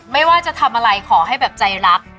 ไม่ว่าจะทำอะไรขอให้แบบใจรัก